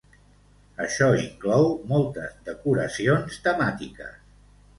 Això inclou moltes decoracions temàtiques.